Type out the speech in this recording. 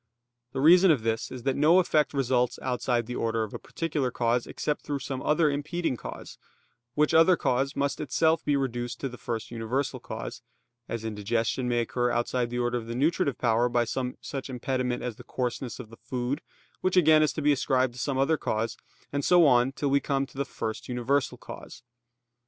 The reason of this is that no effect results outside the order of a particular cause, except through some other impeding cause; which other cause must itself be reduced to the first universal cause; as indigestion may occur outside the order of the nutritive power by some such impediment as the coarseness of the food, which again is to be ascribed to some other cause, and so on till we come to the first universal cause.